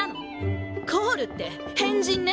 コールって変人ね。